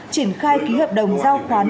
triển khai ký hợp đồng giao khoán